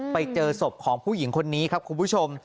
ไปเจอศพของผู้หญิงคนนี้ครับคุณผู้ชม